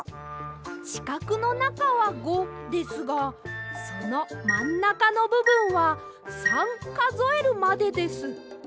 しかくのなかは５ですがそのまんなかのぶぶんは３かぞえるまでです。